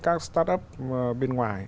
các start up bên ngoài